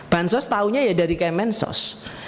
bansos tahunya ya dari kemensos